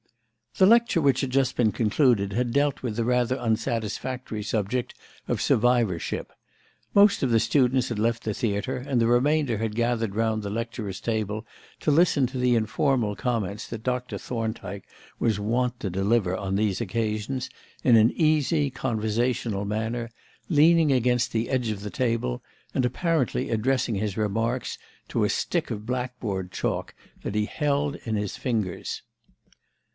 The lecture which had just been concluded had dealt with the rather unsatisfactory subject of survivorship. Most of the students had left the theatre, and the remainder had gathered round the lecturer's table to listen to the informal comments that Dr. Thorndyke was wont to deliver on these occasions in an easy, conversational manner, leaning against the edge of the table and apparently addressing his remarks to a stick of blackboard chalk that he held in his fingers.